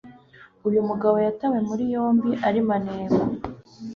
Uyu mugabo yatawe muri yombi ari maneko